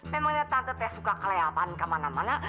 memangnya tante teh suka keleapan kemana mana